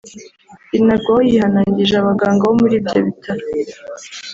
Binagwaho yihanangirije abaganga bo muri ibyo bitaro